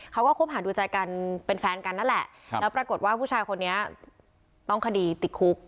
เขาก็คบหาดูใจกันเป็นแฟนกันนั่นแหละแล้วปรากฏว่าผู้ชายคนนี้ต้องคดีติดคุก